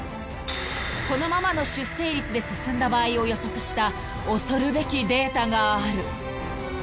［このままの出生率で進んだ場合を予測した恐るべきデータがある］